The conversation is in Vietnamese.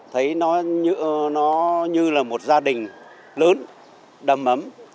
thấy nó như là một gia đình lớn đầm ấm